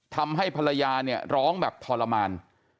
ทำให้ภรรยาเนี่ยร้องแบบทรมาน